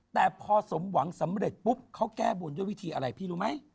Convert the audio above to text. แต่พอสมหวังสำเร็จปุ๊บเขาแก้บนด้วยวิธีอะไรพี่รู้ไหม